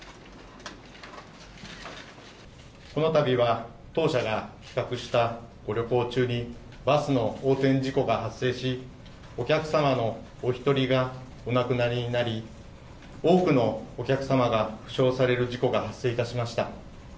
この度は当社が企画したご旅行中にバスの横転事故が発生しお客様のお一人がお亡くなりになり多くのお客様が負傷される事故が発生いたしました。